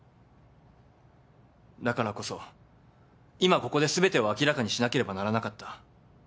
だからこそ今ここで全てを明らかにしなければならなかった。